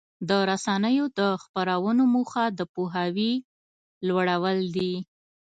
د رسنیو د خپرونو موخه د پوهاوي لوړول دي.